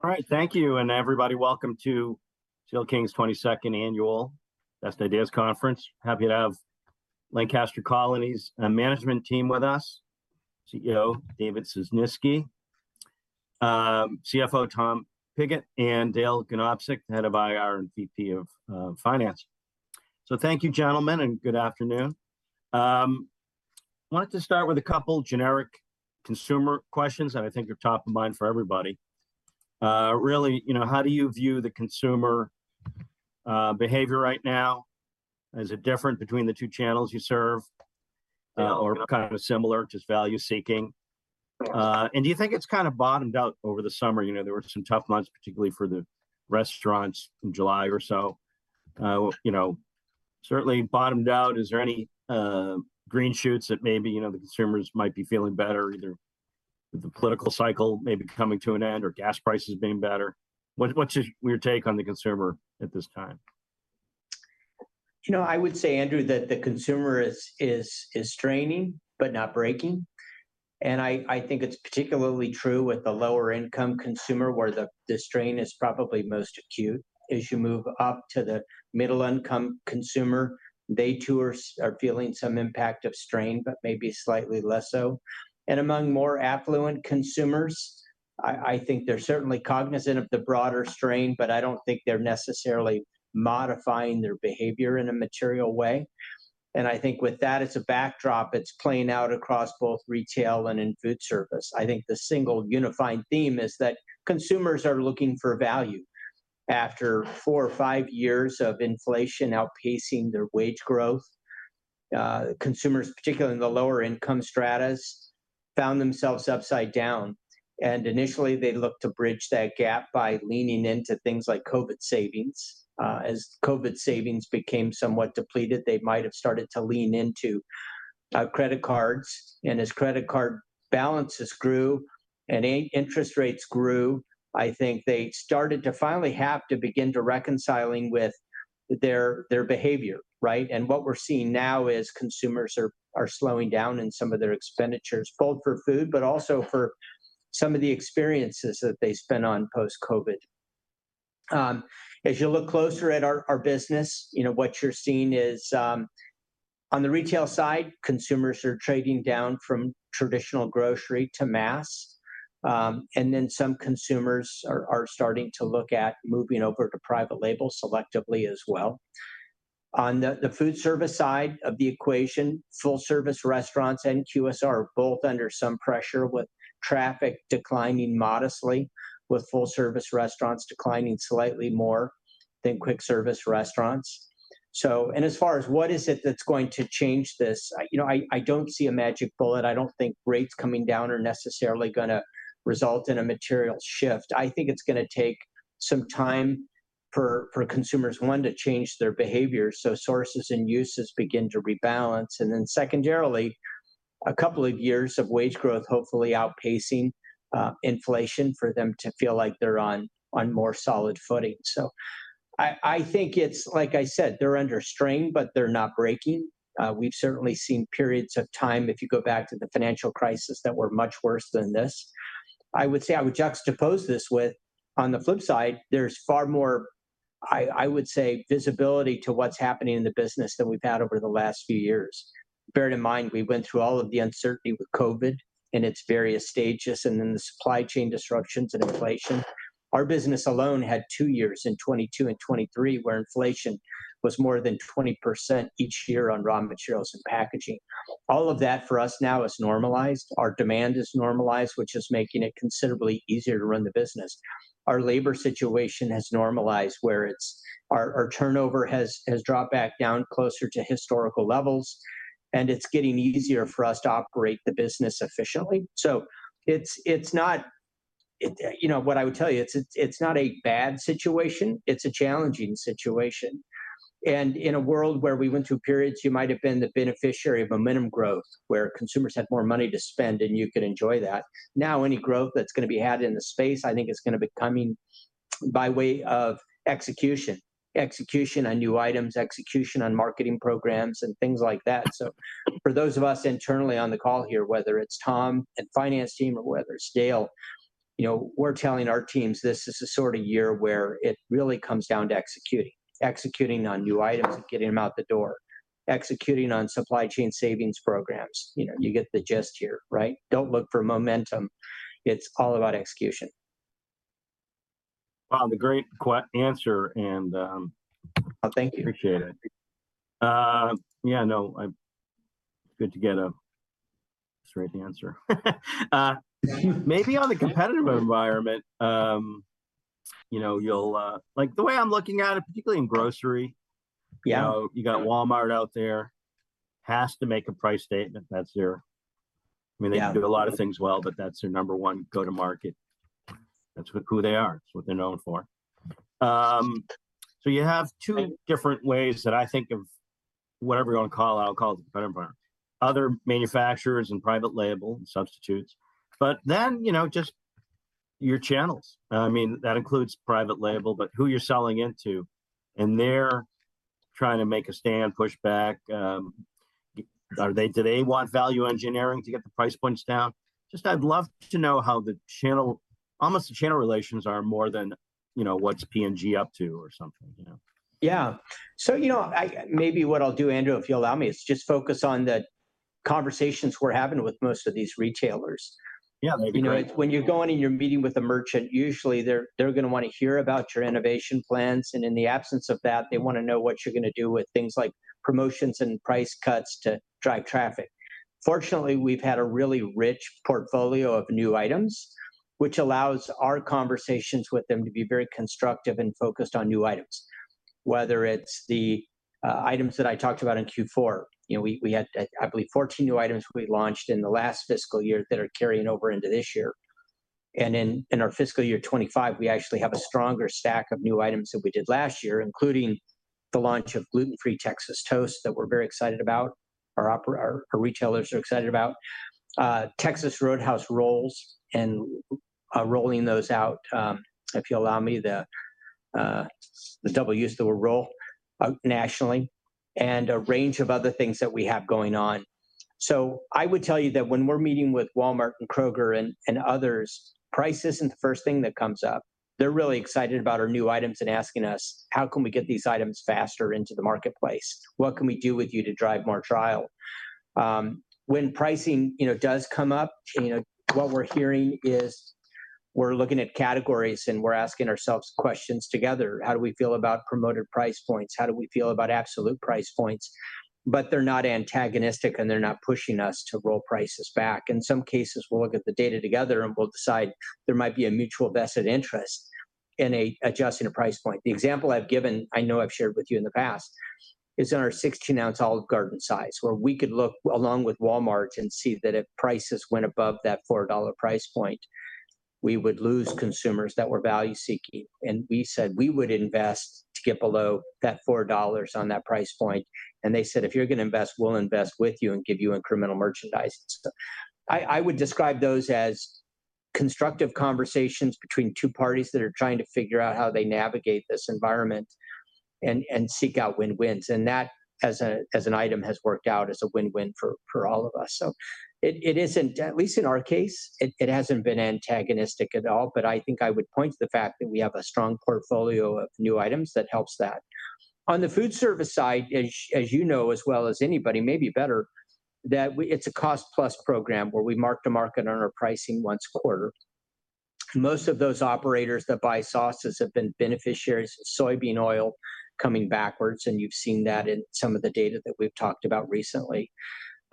All right, thank you, and everybody, welcome to CL King's Twenty-Second Annual Best Ideas Conference. Happy to have Lancaster Colony's management team with us, CEO David Ciesinski, CFO Tom Pigott, and Dale Ganobsik, head of IR and VP of Finance. So thank you, gentlemen, and good afternoon. I wanted to start with a couple generic consumer questions that I think are top of mind for everybody. Really, you know, how do you view the consumer behavior right now? Is it different between the two channels you serve or kind of similar, just value seeking? And do you think it's kind of bottomed out over the summer? You know, there were some tough months, particularly for the restaurants in July or so. You know, certainly bottomed out. Is there any green shoots that maybe, you know, the consumers might be feeling better, either with the political cycle maybe coming to an end or gas prices being better? What, what's your take on the consumer at this time? You know, I would say, Andrew, that the consumer is straining but not breaking, and I think it's particularly true with the lower income consumer, where the strain is probably most acute. As you move up to the middle income consumer, they too are feeling some impact of strain, but maybe slightly less so. And among more affluent consumers, I think they're certainly cognizant of the broader strain, but I don't think they're necessarily modifying their behavior in a material way, and I think with that as a backdrop, it's playing out across both retail and in food service. I think the single unifying theme is that consumers are looking for value. After four or five years of inflation outpacing their wage growth, consumers, particularly in the lower income stratas, found themselves upside down, and initially they looked to bridge that gap by leaning into things like COVID savings. As COVID savings became somewhat depleted, they might have started to lean into credit cards, and as credit card balances grew and interest rates grew, I think they started to finally have to begin to reconciling with their, their behavior, right? And what we're seeing now is consumers are, are slowing down in some of their expenditures, both for food, but also for some of the experiences that they spent on post-COVID. As you look closer at our, our business, you know, what you're seeing is on the retail side, consumers are trading down from traditional grocery to mass. And then some consumers are starting to look at moving over to private label selectively as well. On the food service side of the equation, full-service restaurants and QSR are both under some pressure, with traffic declining modestly, with full-service restaurants declining slightly more than quick-service restaurants. So. And as far as what is it that's going to change this, you know, I don't see a magic bullet. I don't think rates coming down are necessarily gonna result in a material shift. I think it's gonna take some time for consumers, one, to change their behavior, so sources and uses begin to rebalance, and then secondarily, a couple of years of wage growth hopefully outpacing inflation, for them to feel like they're on more solid footing. So I think it's like I said, they're under strain, but they're not breaking. We've certainly seen periods of time, if you go back to the financial crisis, that were much worse than this. I would say I would juxtapose this with, on the flip side, there's far more, I would say, visibility to what's happening in the business than we've had over the last few years. Bearing in mind, we went through all of the uncertainty with COVID and its various stages, and then the supply chain disruptions and inflation. Our business alone had two years, in 2022 and 2023, where inflation was more than 20% each year on raw materials and packaging. All of that for us now is normalized. Our demand is normalized, which is making it considerably easier to run the business. Our labor situation has normalized, where it's... Our turnover has dropped back down closer to historical levels, and it's getting easier for us to operate the business efficiently. So it's not, you know, what I would tell you, it's not a bad situation. It's a challenging situation. And in a world where we went through periods, you might have been the beneficiary of a minimum growth, where consumers had more money to spend, and you could enjoy that. Now, any growth that's gonna be had in the space, I think it's gonna be coming by way of execution: execution on new items, execution on marketing programs, and things like that. So for those of us internally on the call here, whether it's Tom and finance team or whether it's Dale, you know, we're telling our teams this is the sort of year where it really comes down to executing, executing on new items and getting them out the door, executing on supply chain savings programs. You know, you get the gist here, right? Don't look for momentum. It's all about execution. Wow, the great answer, and Well, thank you.... appreciate it. Yeah, no, good to get a straight answer. Maybe on the competitive environment, you know, you'll like, the way I'm looking at it, particularly in grocery- Yeah... you know, you got Walmart out there, has to make a price statement. That's their- Yeah. I mean, they can do a lot of things well, but that's their number one go-to-market. That's who they are. That's what they're known for. So you have two different ways that I think of whatever you want to call out, call it competitive environment, other manufacturers and private label and substitutes, but then, you know, just your channels. I mean, that includes private label, but who you're selling into and they're trying to make a stand, push back, or do they want value engineering to get the price points down? Just, I'd love to know how the channel, almost the channel relations are more than, you know, what's P&G up to or something, you know? Yeah. So, you know, I, maybe what I'll do, Andrew, if you'll allow me, is just focus on the conversations we're having with most of these retailers. Yeah, maybe- You know, it's when you're going and you're meeting with a merchant. Usually they're gonna wanna hear about your innovation plans, and in the absence of that, they wanna know what you're gonna do with things like promotions and price cuts to drive traffic. Fortunately, we've had a really rich portfolio of new items, which allows our conversations with them to be very constructive and focused on new items. Whether it's the items that I talked about in Q4, you know, we had I believe 14 new items we launched in the last fiscal year that are carrying over into this year, and in our fiscal year 2025, we actually have a stronger stack of new items than we did last year, including the launch of gluten-free Texas Toast that we're very excited about. Our retailers are excited about. Texas Roadhouse rolls, and rolling those out, if you allow me the double use of the word roll nationally, and a range of other things that we have going on. So I would tell you that when we're meeting with Walmart and Kroger and others, price isn't the first thing that comes up. They're really excited about our new items and asking us, "How can we get these items faster into the marketplace? What can we do with you to drive more trial?" When pricing, you know, does come up, you know, what we're hearing is we're looking at categories, and we're asking ourselves questions together. How do we feel about promoted price points? How do we feel about absolute price points? But they're not antagonistic, and they're not pushing us to roll prices back. In some cases, we'll look at the data together, and we'll decide there might be a mutual vested interest in adjusting a price point. The example I've given, I know I've shared with you in the past, is in our 16-ounce Olive Garden size, where we could look along with Walmart and see that if prices went above that $4 price point, we would lose consumers that were value-seeking. We said we would invest to get below that $4 on that price point, and they said, "If you're gonna invest, we'll invest with you and give you incremental merchandise," and stuff. I would describe those as constructive conversations between two parties that are trying to figure out how they navigate this environment and seek out win-wins. That, as an item, has worked out as a win-win for all of us. It isn't, at least in our case, it hasn't been antagonistic at all, but I think I would point to the fact that we have a strong portfolio of new items that helps that. On the food service side, as you know as well as anybody, maybe better, that we... It's a cost-plus program where we mark-to-market on our pricing once a quarter. Most of those operators that buy sauces have been beneficiaries of soybean oil coming backwards, and you've seen that in some of the data that we've talked about recently.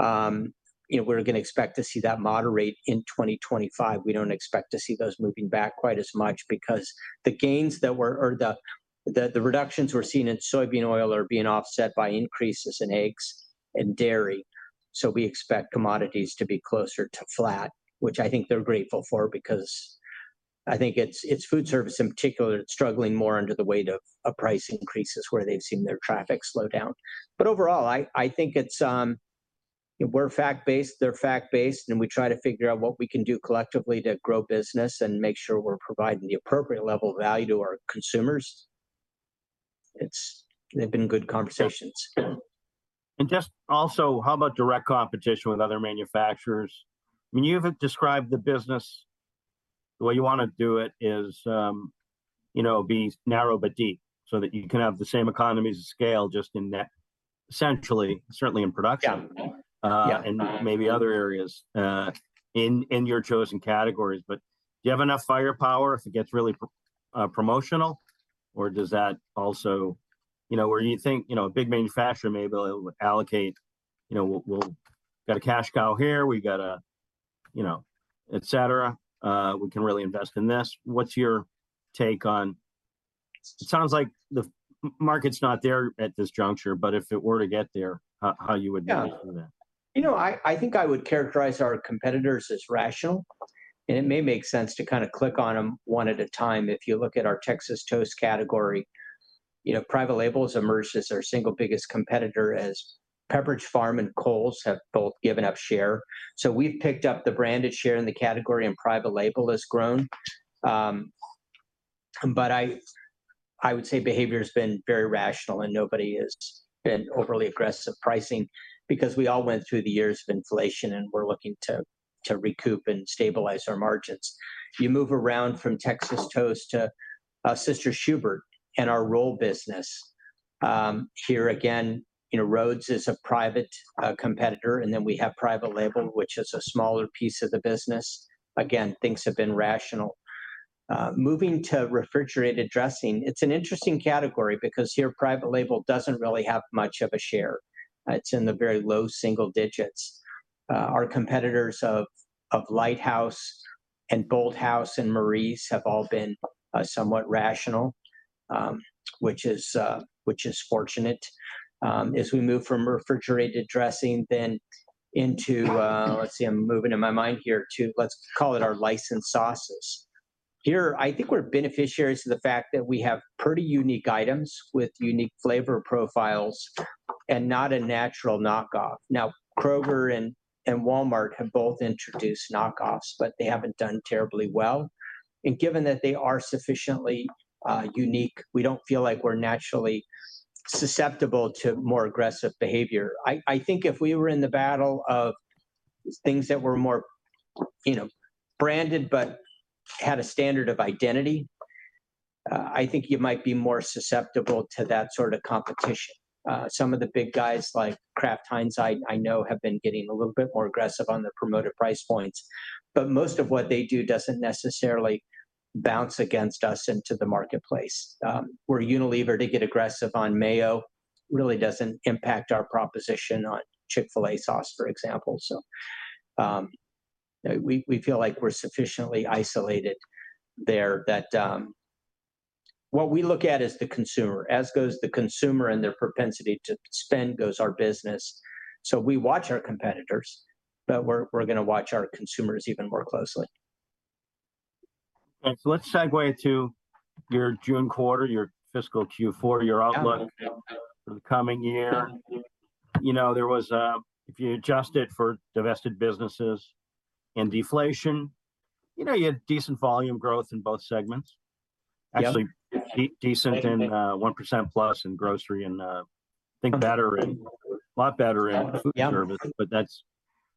You know, we're gonna expect to see that moderate in 2025. We don't expect to see those moving back quite as much because the gains that we're... or the reductions we're seeing in soybean oil are being offset by increases in eggs and dairy. So we expect commodities to be closer to flat, which I think they're grateful for, because I think it's food service in particular that's struggling more under the weight of price increases, where they've seen their traffic slow down. But overall, I think it's we're fact-based, they're fact-based, and we try to figure out what we can do collectively to grow business and make sure we're providing the appropriate level of value to our consumers. It's. They've been good conversations. And just also, how about direct competition with other manufacturers? When you've described the business, the way you wanna do it is, you know, be narrow but deep, so that you can have the same economies of scale just in that, essentially, certainly in production- Yeah. Yeah... and maybe other areas in your chosen categories. But do you have enough firepower if it gets really promotional, or does that also... You know, where you think, you know, a big manufacturer may be able to allocate, you know, "We'll got a cash cow here. We got a, you know, et cetera. We can really invest in this." What's your take on... It sounds like the market's not there at this juncture, but if it were to get there, how you would- Yeah... do that? You know, I think I would characterize our competitors as rational, and it may make sense to kind of click on them one at a time. If you look at our Texas Toast category, you know, private labels emerged as our single biggest competitor, as Pepperidge Farm and Cole's have both given up share. So we've picked up the branded share in the category, and private label has grown, but I would say behavior's been very rational, and nobody has been overly aggressive pricing because we all went through the years of inflation, and we're looking to recoup and stabilize our margins. You move around from Texas Toast to Sister Schubert's and our roll business. Here again, you know, Rhodes is a private competitor, and then we have private label, which is a smaller piece of the business. Again, things have been rational. Moving to refrigerated dressing, it's an interesting category because here, private label doesn't really have much of a share. It's in the very low single-digits. Our competitors of Litehouse, and Bolthouse, and Marie's have all been somewhat rational, which is fortunate. As we move from refrigerated dressing, then into... Let's see, I'm moving in my mind here to, let's call it our licensed sauces. Here, I think we're beneficiaries to the fact that we have pretty unique items with unique flavor profiles... and not a natural knockoff. Now, Kroger and Walmart have both introduced knockoffs, but they haven't done terribly well. And given that they are sufficiently unique, we don't feel like we're naturally susceptible to more aggressive behavior. I think if we were in the battle of things that were more, you know, branded but had a standard of identity, I think you might be more susceptible to that sort of competition. Some of the big guys, like Kraft Heinz, I know have been getting a little bit more aggressive on their promoted price points, but most of what they do doesn't necessarily bounce against us into the marketplace. Where Unilever, to get aggressive on mayo, really doesn't impact our proposition on Chick-fil-A sauce, for example. So, we feel like we're sufficiently isolated there that... What we look at is the consumer. As goes the consumer and their propensity to spend, goes our business. So we watch our competitors, but we're gonna watch our consumers even more closely. Okay, so let's segue to your June quarter, your fiscal Q4, your outlook- Yeah... for the coming year. You know, there was, if you adjust it for divested businesses and deflation, you know, you had decent volume growth in both segments. Yeah. Actually, decent and 1% plus in grocery and I think better in, a lot better in- Yeah... food service. But that's...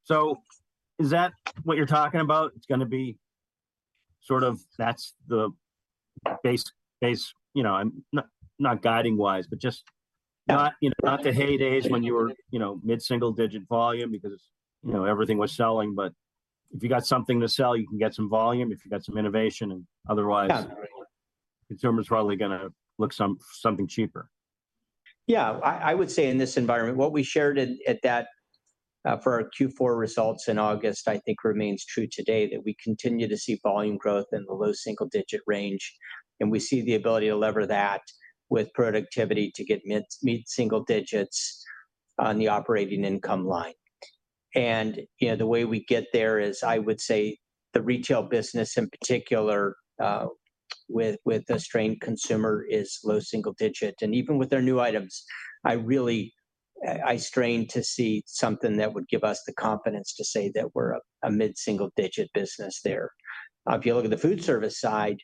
So is that what you're talking about? It's gonna be sort of that's the base... You know, I'm not guiding-wise, but just- Yeah... not, you know, not the heydays when you were, you know, mid-single-digit volume because, you know, everything was selling. But if you got something to sell, you can get some volume, if you've got some innovation. And otherwise- Yeah... consumer's probably gonna look something cheaper. Yeah, I would say in this environment, what we shared at that for our Q4 results in August, I think remains true today, that we continue to see volume growth in the low single-digit range, and we see the ability to lever that with productivity to get mid-single digits on the operating income line. And, you know, the way we get there is, I would say, the retail business in particular with the strained consumer is low single-digit. And even with our new items, I really strain to see something that would give us the confidence to say that we're a mid-single-digit business there. If you look at the food service side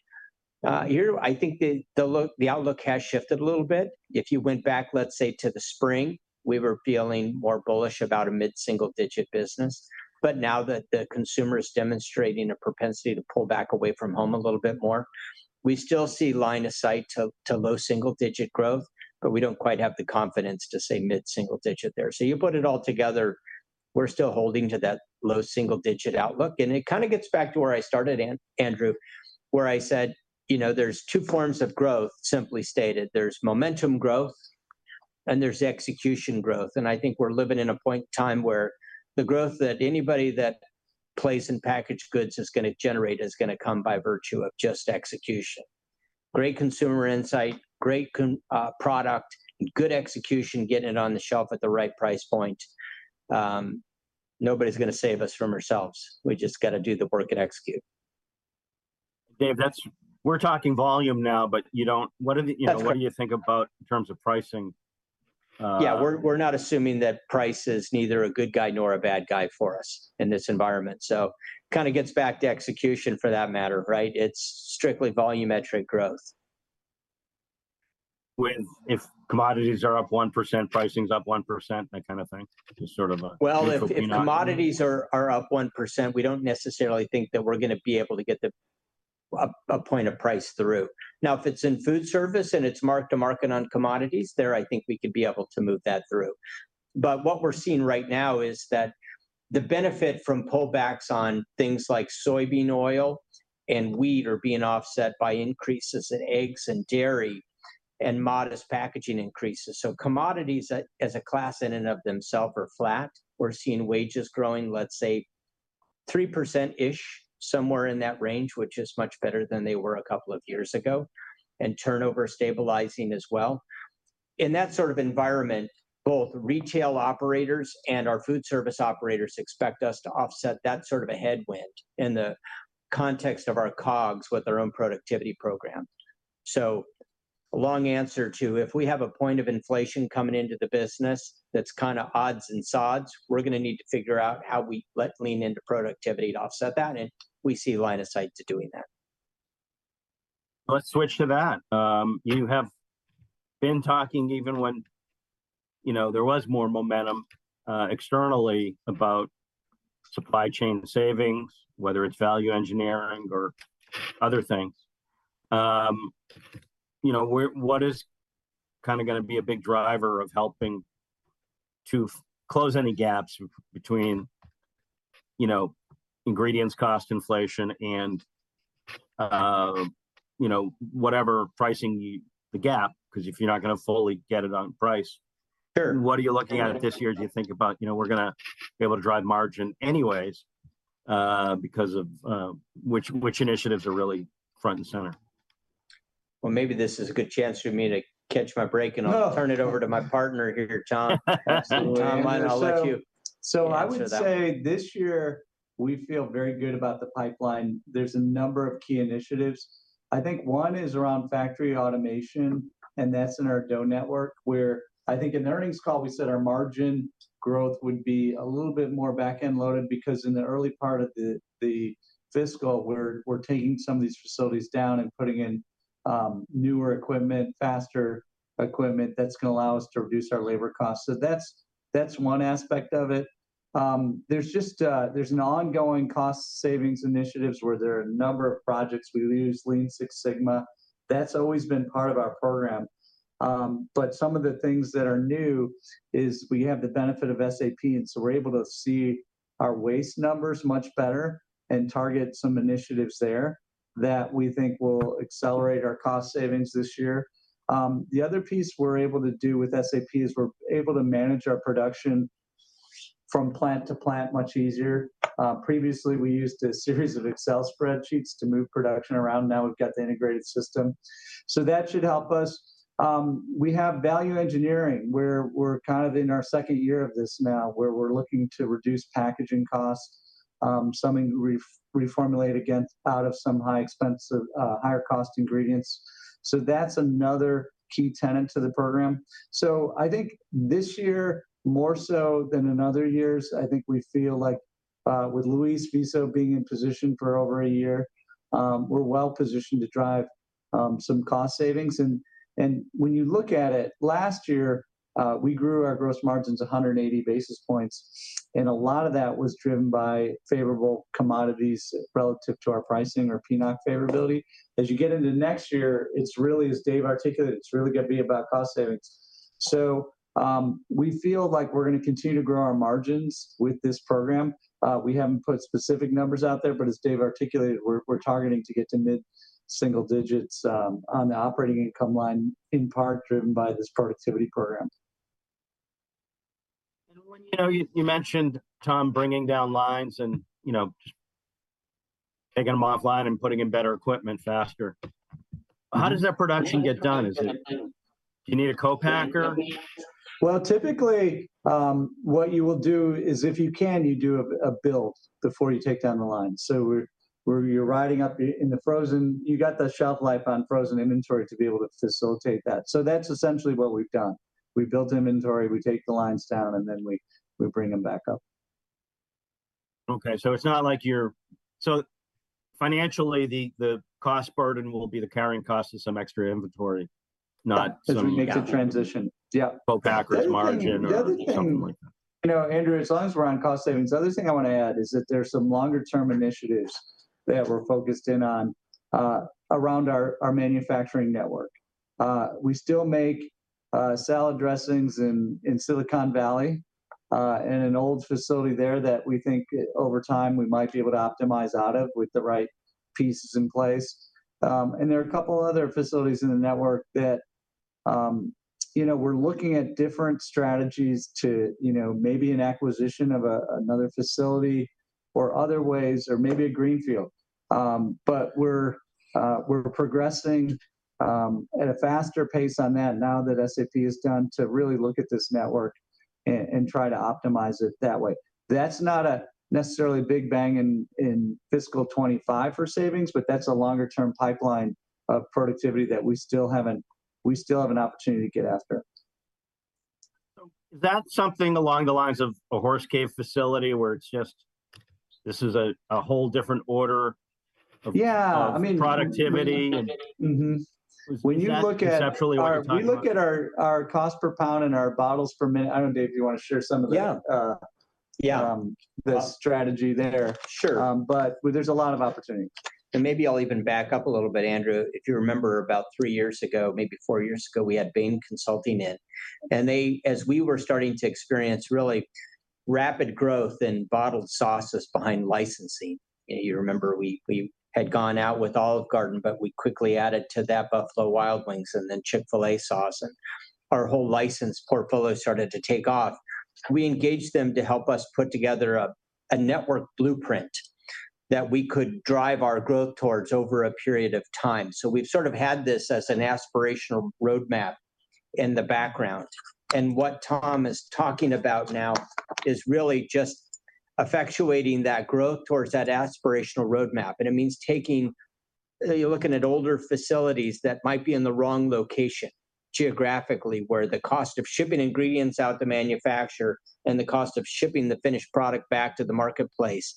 here, I think the outlook has shifted a little bit. If you went back, let's say, to the spring, we were feeling more bullish about a mid-single digit business. But now that the consumer is demonstrating a propensity to pull back away from home a little bit more, we still see line of sight to low single digit growth, but we don't quite have the confidence to say mid-single digit there. So you put it all together, we're still holding to that low single digit outlook. And it kind of gets back to where I started, Andrew, where I said, "You know, there's two forms of growth, simply stated. There's momentum growth, and there's execution growth." And I think we're living in a point in time where the growth that anybody that plays in packaged goods is gonna generate is gonna come by virtue of just execution. Great consumer insight, great product, good execution, getting it on the shelf at the right price point. Nobody's gonna save us from ourselves. We just gotta do the work and execute. Dave, that's... We're talking volume now, but you don't, what are the- Yeah... what do you think about in terms of pricing? Yeah, we're not assuming that price is neither a good guy nor a bad guy for us in this environment, so kind of gets back to execution for that matter, right? It's strictly volumetric growth. When if commodities are up 1%, pricing's up 1%, that kind of thing? Just sort of a- Well-... if not-... if commodities are up 1%, we don't necessarily think that we're gonna be able to get a point of price through. Now, if it's in food service, and it's mark-to-market on commodities, there I think we could be able to move that through. But what we're seeing right now is that the benefit from pullbacks on things like soybean oil and wheat are being offset by increases in eggs and dairy, and modest packaging increases. So commodities, as a class in and of themselves, are flat. We're seeing wages growing, let's say 3%-ish, somewhere in that range, which is much better than they were a couple of years ago, and turnover stabilizing as well. In that sort of environment, both retail operators and our food service operators expect us to offset that sort of a headwind in the context of our COGS with our own productivity program, so a long answer to, if we have a point of inflation coming into the business that's kind of odds and sods, we're gonna need to figure out how we lean into productivity to offset that, and we see line of sight to doing that. Let's switch to that. You have been talking, even when, you know, there was more momentum externally about supply chain savings, whether it's value engineering or other things. You know, where, what is kind of gonna be a big driver of helping to close any gaps between, you know, ingredients, cost inflation, and, you know, whatever pricing you... the gap? Because if you're not gonna fully get it on price- Sure... what are you looking at this year, as you think about, you know, we're gonna be able to drive margin anyways, because of which initiatives are really front and center? Maybe this is a good chance for me to catch my break, and I'll turn it over to my partner here, Tom. Absolutely. Tom, I'll let you-... So I would say this year, we feel very good about the pipeline. There's a number of key initiatives. I think one is around factory automation, and that's in our dough network, where I think in the earnings call, we said our margin growth would be a little bit more back-end loaded because in the early part of the fiscal year, we're taking some of these facilities down and putting in newer equipment, faster equipment, that's gonna allow us to reduce our labor costs. So that's one aspect of it. There's just an ongoing cost savings initiatives, where there are a number of projects. We use Lean Six Sigma. That's always been part of our program. But some of the things that are new is we have the benefit of SAP, and so we're able to see our waste numbers much better and target some initiatives there that we think will accelerate our cost savings this year. The other piece we're able to do with SAP is we're able to manage our production from plant to plant much easier. Previously, we used a series of Excel spreadsheets to move production around. Now, we've got the integrated system, so that should help us. We have value engineering, where we're kind of in our second year of this now, where we're looking to reduce packaging costs, something we've reformulated against out of some high expensive, higher-cost ingredients. So that's another key tenant to the program. So I think this year, more so than in other years, I think we feel like with Luis Viso being in position for over a year, we're well positioned to drive some cost savings. And when you look at it, last year we grew our gross margins 180 basis points, and a lot of that was driven by favorable commodities relative to our pricing or PNOC favorability. As you get into next year, it's really, as Dave articulated, it's really gonna be about cost savings. So we feel like we're gonna continue to grow our margins with this program. We haven't put specific numbers out there, but as Dave articulated, we're targeting to get to mid-single digits on the operating income line, in part driven by this productivity program. When, you know, you mentioned, Tom, bringing down lines and, you know, just taking them offline and putting in better equipment faster. How does that production get done? Is it... Do you need a co-packer? Typically, what you will do is, if you can, you do a build before you take down the line. So we're building up inventory in the frozen. You've got the shelf life on frozen inventory to be able to facilitate that. So that's essentially what we've done. We've built inventory, we take the lines down, and then we bring them back up. Okay, so it's not like you're... So financially, the cost burden will be the carrying cost of some extra inventory, not some- As we make the transition. Yeah. Both accurate margin or something like that. The other thing, you know, Andrew, as long as we're on cost savings, the other thing I want to add is that there's some longer-term initiatives that we're focused in on around our manufacturing network. We still make salad dressings in Silicon Valley in an old facility there that we think over time, we might be able to optimize out of with the right pieces in place. And there are a couple other facilities in the network that you know, we're looking at different strategies to maybe an acquisition of another facility or other ways or maybe a greenfield. But we're progressing at a faster pace on that now that SAP is done, to really look at this network and try to optimize it that way. That's not necessarily a big bang in fiscal 2025 for savings, but that's a longer-term pipeline of productivity that we still haven't, we still have an opportunity to get after. So, is that something along the lines of a Horse Cave facility, where it's just this is a whole different order of- Yeah, I mean-... productivity and- Mm-hmm. Is that conceptually what you're talking about? When you look at our cost per pound and our bottles per minute. I don't know, Dave. Do you want to share some of the- Yeah... yeah- Um the strategy there? Sure. But there's a lot of opportunity. And maybe I'll even back up a little bit, Andrew. If you remember about three years ago, maybe four years ago, we had Bain & Company in, and they, as we were starting to experience really rapid growth in bottled sauces behind licensing, and you remember we had gone out with Olive Garden, but we quickly added to that Buffalo Wild Wings and then Chick-fil-A sauce, and our whole license portfolio started to take off. We engaged them to help us put together a network blueprint that we could drive our growth towards over a period of time. So we've sort of had this as an aspirational roadmap in the background. And what Tom is talking about now is really just effectuating that growth towards that aspirational roadmap, and it means taking... You're looking at older facilities that might be in the wrong location geographically, where the cost of shipping ingredients out to manufacture and the cost of shipping the finished product back to the marketplace,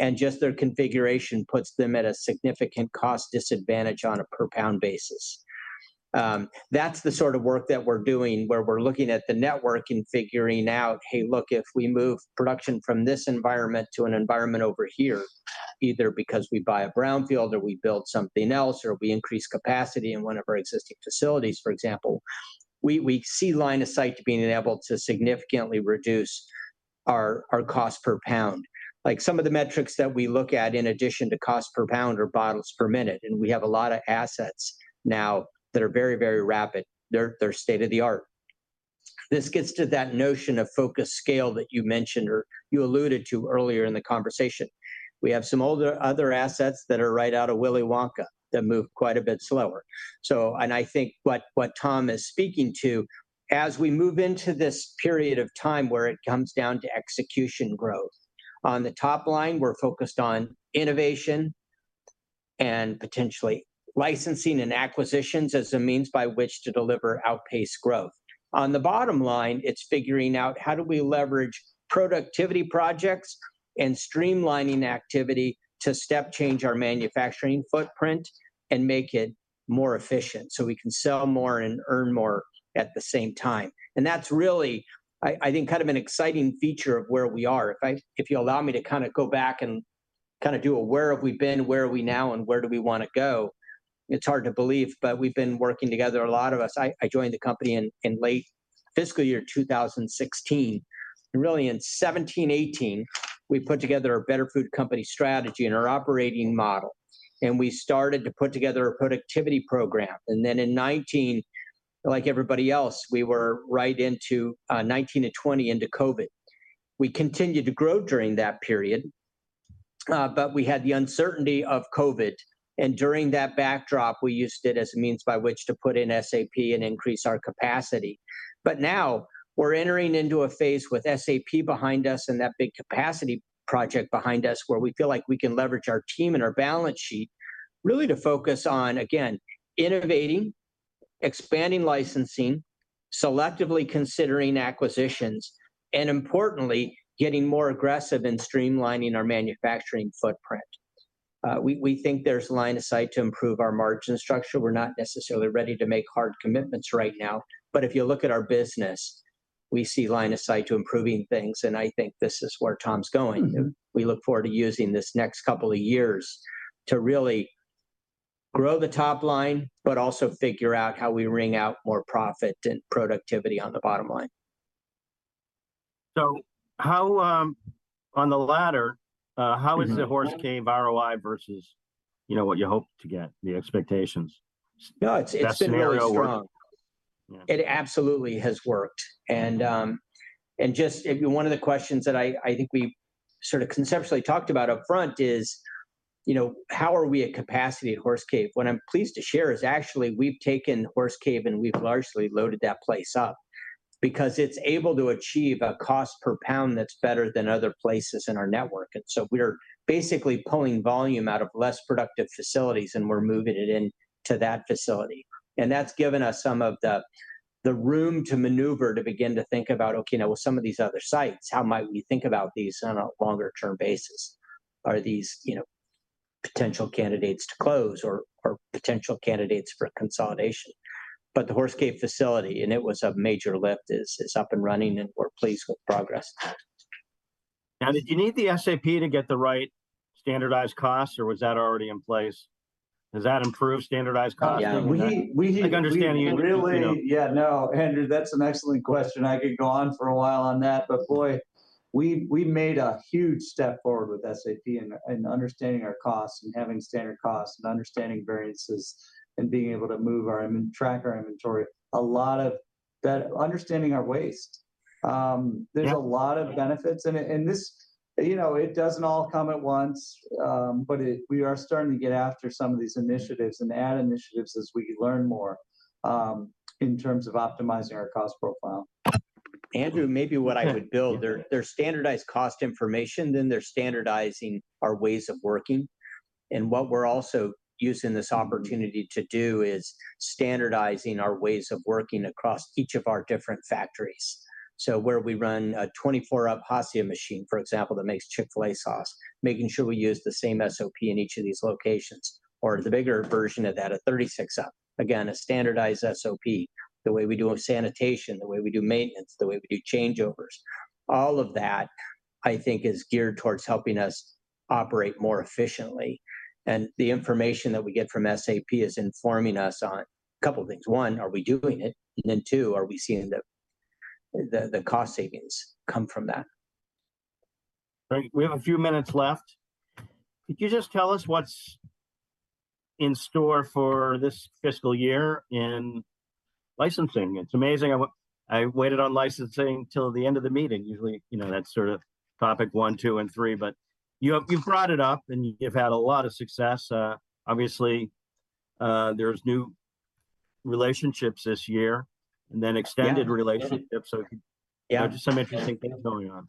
and just their configuration puts them at a significant cost disadvantage on a per-pound basis. That's the sort of work that we're doing, where we're looking at the network and figuring out, "Hey, look, if we move production from this environment to an environment over here," either because we buy a brownfield or we build something else, or we increase capacity in one of our existing facilities, for example, we see line of sight to being enabled to significantly reduce our cost per pound. Like, some of the metrics that we look at in addition to cost per pound are bottles per minute, and we have a lot of assets now that are very, very rapid. They're state-of-the-art. This gets to that notion of focus scale that you mentioned or you alluded to earlier in the conversation. We have some older other assets that are right out of Willy Wonka that move quite a bit slower. So, and I think what Tom is speaking to, as we move into this period of time where it comes down to execution growth, on the top line, we're focused on innovation and potentially licensing and acquisitions as a means by which to deliver outpaced growth. On the bottom line, it's figuring out how do we leverage productivity projects and streamlining activity to step change our manufacturing footprint and make it more efficient, so we can sell more and earn more at the same time? And that's really, I, I think, kind of an exciting feature of where we are. If I, if you allow me to kind of go back and kind of do a where have we been, where are we now, and where do we wanna go, it's hard to believe, but we've been working together, a lot of us... I, I joined the company in, in late fiscal year 2016. And really, in 2017, 2018, we put together a better food company strategy and our operating model, and we started to put together a productivity program. And then in 2019, like everybody else, we were right into 2019 and 2020, into COVID. We continued to grow during that period, but we had the uncertainty of COVID, and during that backdrop, we used it as a means by which to put in SAP and increase our capacity. But now, we're entering into a phase with SAP behind us and that big capacity project behind us, where we feel like we can leverage our team and our balance sheet really to focus on, again, innovating, expanding licensing, selectively considering acquisitions, and importantly, getting more aggressive in streamlining our manufacturing footprint. We think there's line of sight to improve our margin structure. We're not necessarily ready to make hard commitments right now, but if you look at our business, we see line of sight to improving things, and I think this is where Tom's going. Mm-hmm. We look forward to using this next couple of years to really grow the top line, but also figure out how we wring out more profit and productivity on the bottom line. So, how on the latter, how is- Mm-hmm... the Horse Cave ROI versus, you know, what you hoped to get, the expectations? No, it's been really strong. Best scenario where... Yeah. It absolutely has worked. And just one of the questions that I think we sort of conceptually talked about upfront is, you know, how are we at capacity at Horse Cave? What I'm pleased to share is actually we've taken Horse Cave, and we've largely loaded that place up. Because it's able to achieve a cost per pound that's better than other places in our network, and so we're basically pulling volume out of less productive facilities, and we're moving it into that facility. And that's given us some of the room to maneuver, to begin to think about, okay, now with some of these other sites, how might we think about these on a longer term basis? Are these, you know, potential candidates to close or potential candidates for consolidation? But the Horse Cave facility, and it was a major lift, it's up and running, and we're pleased with progress. Now, did you need the SAP to get the right standardized costs, or was that already in place? Does that improve standardized costs? Yeah, we- Like understanding it, you know. Yeah, no, Andrew, that's an excellent question. I could go on for a while on that, but boy, we made a huge step forward with SAP in understanding our costs and having standard costs and understanding variances and being able to move our inventory, track our inventory. A lot of that, understanding our waste. Yeah... there's a lot of benefits, and this, you know, it doesn't all come at once. But we are starting to get after some of these initiatives and add initiatives as we learn more, in terms of optimizing our cost profile. Andrew, maybe what I would build- Yeah... they're standardizing cost information, then they're standardizing our ways of working, and what we're also using this opportunity to do is standardizing our ways of working across each of our different factories, so where we run a 24-up Hosokawa machine, for example, that makes Chick-fil-A sauce, making sure we use the same SOP in each of these locations, or the bigger version of that, a 36-up. Again, a standardized SOP. The way we do our sanitation, the way we do maintenance, the way we do changeovers, all of that, I think, is geared towards helping us operate more efficiently, and the information that we get from SAP is informing us on a couple things: one, are we doing it? And then two, are we seeing the cost savings come from that? Great. We have a few minutes left. Could you just tell us what's in store for this fiscal year in licensing? It's amazing, I wa- I waited on licensing till the end of the meeting. Usually, you know, that's sort of topic one, two, and three, but you have- you've brought it up, and you've had a lot of success. Obviously, there's new relationships this year, and then extended- Yeah... relationships, so- Yeah... some interesting things going on.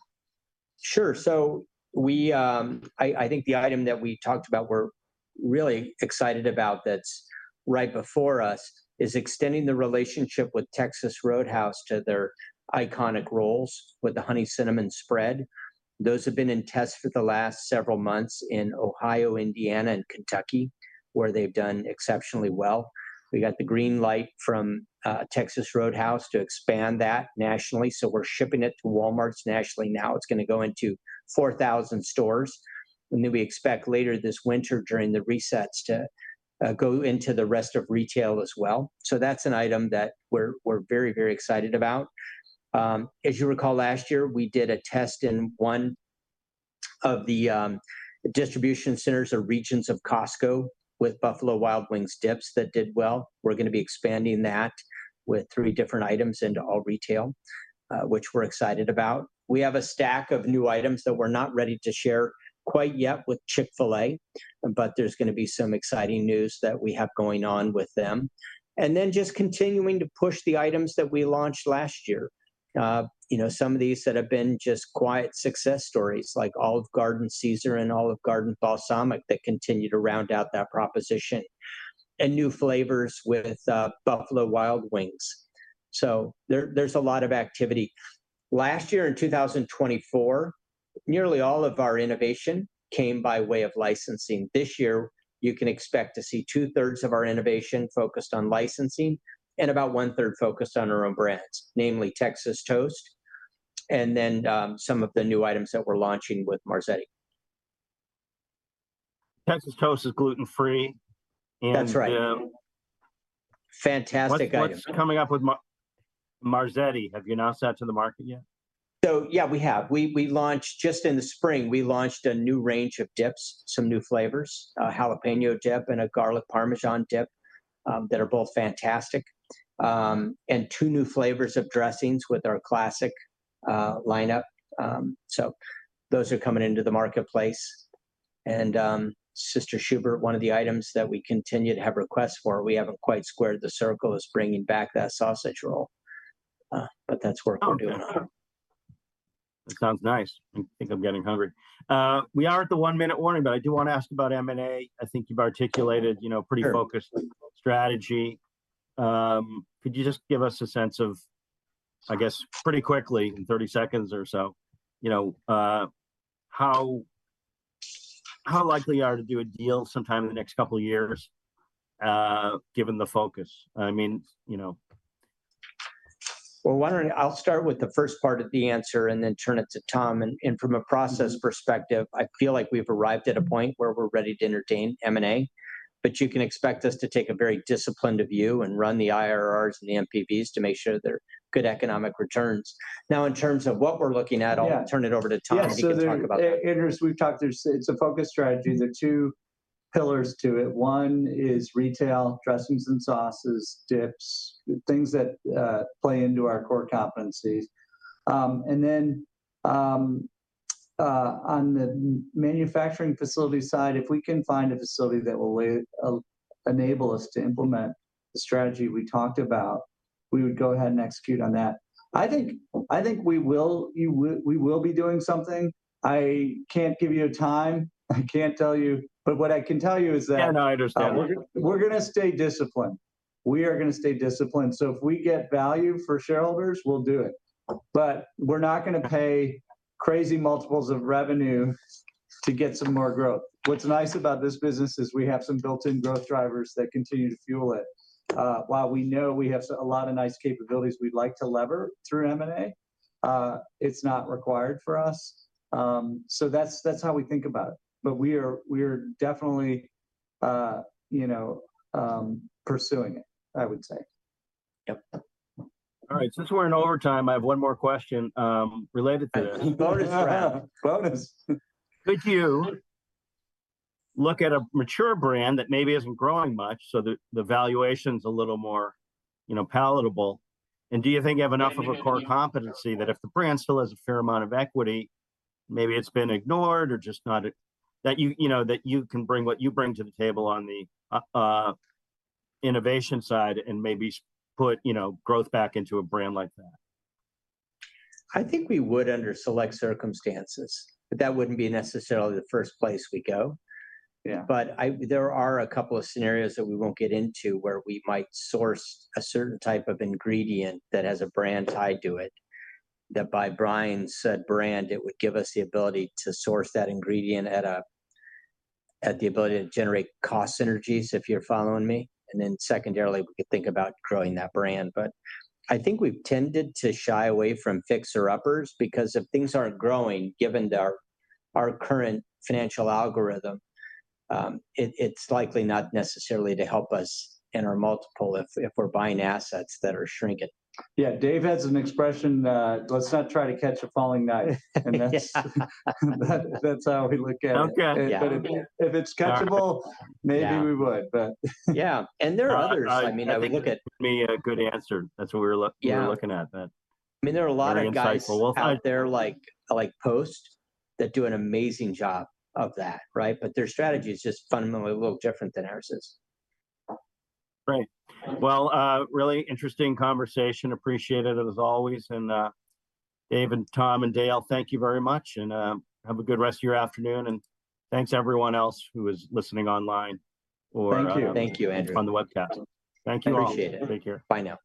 Sure. So we think the item that we talked about we're really excited about that's right before us is extending the relationship with Texas Roadhouse to their iconic rolls with the honey cinnamon spread. Those have been in test for the last several months in Ohio, Indiana, and Kentucky, where they've done exceptionally well. We got the green light from Texas Roadhouse to expand that nationally, so we're shipping it to Walmarts nationally now. It's gonna go into 4,000 stores, and then we expect later this winter, during the resets, to go into the rest of retail as well. So that's an item that we're very, very excited about. As you recall, last year, we did a test in one of the distribution centers or regions of Costco with Buffalo Wild Wings dips that did well. We're gonna be expanding that with three different items into all retail, which we're excited about. We have a stack of new items that we're not ready to share quite yet with Chick-fil-A, but there's gonna be some exciting news that we have going on with them, and then just continuing to push the items that we launched last year. You know, some of these that have been just quiet success stories, like Olive Garden Caesar and Olive Garden Balsamic, that continue to round out that proposition, and new flavors with Buffalo Wild Wings, so there, there's a lot of activity. Last year, in 2024, nearly all of our innovation came by way of licensing. This year, you can expect to see two-thirds of our innovation focused on licensing and about one-third focused on our own brands, namely Texas Toast and then, some of the new items that we're launching with Marzetti. Texas Toast is gluten-free, and That's right. Fantastic item. What's coming up with Marzetti? Have you announced that to the market yet? So yeah, we have. We launched just in the spring a new range of dips, some new flavors, a jalapeño dip, and a garlic parmesan dip that are both fantastic, and two new flavors of dressings with our classic lineup. So those are coming into the marketplace, and Sister Schubert's, one of the items that we continue to have requests for, we haven't quite squared the circle, is bringing back that sausage roll, but that's work we're doing on it. Sounds nice. I think I'm getting hungry. We are at the one-minute warning, but I do wanna ask about M&A. I think you've articulated, you know, pretty focused strategy. Could you just give us a sense of, I guess, pretty quickly, in 30 seconds or so, you know, how likely you are to do a deal sometime in the next couple of years, given the focus? I mean, you know... Why don't I... I'll start with the first part of the answer and then turn it to Tom. And from a process perspective, I feel like we've arrived at a point where we're ready to entertain M&A, but you can expect us to take a very disciplined view and run the IRRs and the NPVs to make sure they're good economic returns. Now, in terms of what we're looking at- Yeah... I'll turn it over to Tom, and he can talk about that. Yes, so there, Andrew, we've talked, it's a focused strategy. There are two pillars to it. One is retail, dressings and sauces, dips, things that play into our core competencies. And then, on the manufacturing facility side, if we can find a facility that will enable us to implement the strategy we talked about, we would go ahead and execute on that. I think we will be doing something. I can't give you a time. I can't tell you, but what I can tell you is that- Yeah, no, I understand.... we're gonna stay disciplined. We are gonna stay disciplined. So if we get value for shareholders, we'll do it, but we're not gonna pay crazy multiples of revenue to get some more growth. What's nice about this business is we have some built-in growth drivers that continue to fuel it. While we know we have a lot of nice capabilities we'd like to lever through M&A, it's not required for us. So that's how we think about it, but we are definitely, you know, pursuing it, I would say. Yep. All right, since we're in overtime, I have one more question, related to this. Bonus round. Bonus. Would you look at a mature brand that maybe isn't growing much so the valuation's a little more, you know, palatable? And do you think you have enough of a core competency that if the brand still has a fair amount of equity, maybe it's been ignored or just not... that you know that you can bring what you bring to the table on the innovation side and maybe put, you know, growth back into a brand like that? I think we would under select circumstances, but that wouldn't be necessarily the first place we'd go. Yeah. But I... There are a couple of scenarios that we won't get into where we might source a certain type of ingredient that has a brand tied to it, that by buying said brand, it would give us the ability to source that ingredient at the ability to generate cost synergies, if you're following me. And then secondarily, we could think about growing that brand. But I think we've tended to shy away from fixer-uppers, because if things aren't growing, given our current financial algorithm, it's likely not necessarily to help us in our multiple if we're buying assets that are shrinking. Yeah, Dave has an expression, "Let's not try to catch a falling knife. Yeah. That's how we look at it. Okay. Yeah. But if it's catchable- Yeah... maybe we would, but Yeah, and there are others, I mean, that we look at. Seems a good answer. That's what we're look- Yeah... we're looking at, but- I mean, there are a lot of guys- Very insightful. Well, thank-... out there like, like Post, that do an amazing job of that, right? But their strategy is just fundamentally a little different than ours is. Great. Well, really interesting conversation. Appreciate it as always, and, Dave, and Tom, and Dale, thank you very much, and, have a good rest of your afternoon, and thanks to everyone else who is listening online or- Thank you. Thank you, Andrew.... on the webcast. Thank you all. Appreciate it. Take care. Bye now.